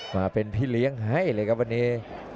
มาเป็นพี่เลี้ยงให้เลยครับวันนี้